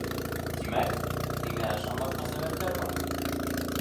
Тимәк, һиңә ышанмаҫҡа сәбәптәр бар.